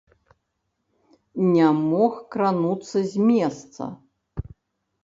Не мог крануцца з месца.